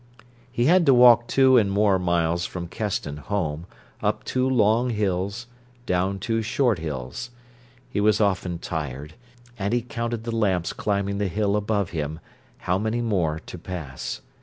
He had to walk two and more miles from Keston home, up two long hills, down two short hills. He was often tired, and he counted the lamps climbing the hill above him, how many more to pass.